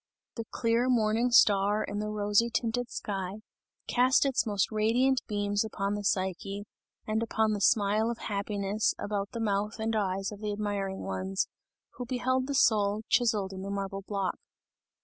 The clear morning star in the rosy tinted sky, cast its most radiant beams upon the Psyche, and upon the smile of happiness about the mouth and eyes of the admiring ones, who beheld the soul, chiseled in the marble block.